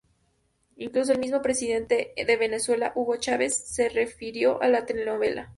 Incluso el mismo presidente de Venezuela Hugo Chávez se refirió a la telenovela.